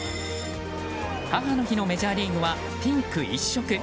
母の日のメジャーリーグはピンク一色。